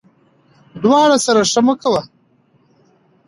ـ د واړه سره ښه مه کوه ،